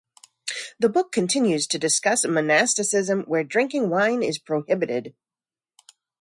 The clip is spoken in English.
The book continues to discuss monasticism where drinking wine is prohibited.